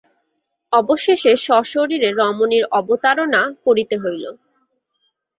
অবশেষে সশরীরে রমণীর অবতারণা করিতে হইল।